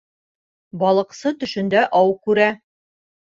Балыҡсы төшөндә ау күрә.